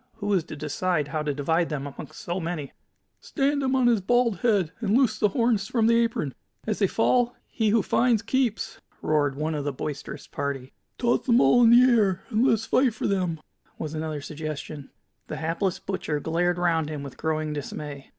who is to decide how to divide them amongst so many?" "Stand him on his bald head, and loose the horns from the apron. As they fall, he who finds keeps!" roared one of the boisterous party. "Toss them all in the air and let us fight for them," was another suggestion. The hapless butcher glared round him with growing dismay.